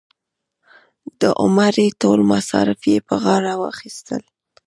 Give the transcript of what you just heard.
د عمرې ټول مصارف یې په غاړه واخیستل.